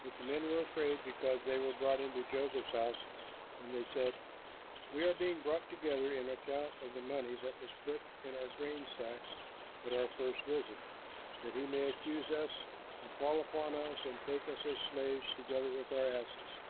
But the men were afraid, because they were brought into Joseph's house, and they said, "We are being brought in on account of the money that was put in our grain sacks at our first visit, that he may accuse us and fall upon us and take us as slaves, together with our asses."